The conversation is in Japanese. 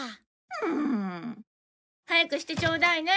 うーん早くしてちょうだいね。